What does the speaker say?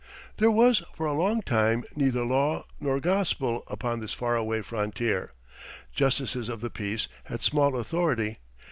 There was, for a long time, "neither law nor gospel" upon this far away frontier. Justices of the peace had small authority.